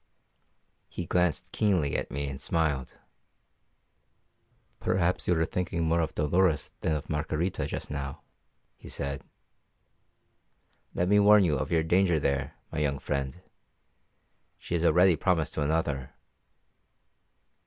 He glanced keenly at me and smiled. "Perhaps you are thinking more of Dolores than of Margarita just now," he said. "Let me warn you of your danger there, my young friend. She is already promised to another."